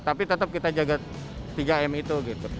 tapi tetap kita jaga tiga m itu